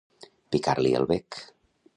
Picar-li el bec.